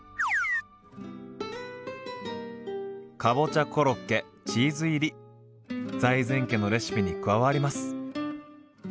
かぼちゃコロッケチーズ入り財前家のレシピに加わります。